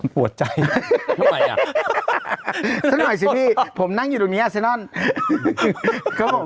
ปวดใจทำไมอ่ะสักหน่อยสิพี่ผมนั่งอยู่ตรงนี้อาเซนอน